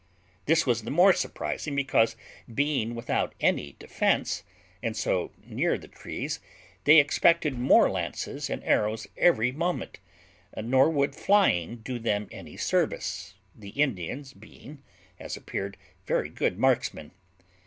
This was the more surprising, because, being without any defence, and so near the trees, they expected more lances and arrows every moment; nor would flying do them any service, the Indians being, as appeared, very good marksmen.